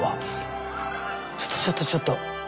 ちょっとちょっとちょっと。